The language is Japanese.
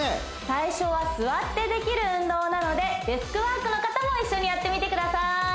最初は座ってできる運動なのでデスクワークの方も一緒にやってみてください